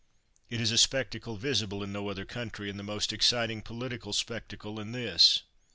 It is a spectacle visible in no other country, and the most exciting political spectacle in this.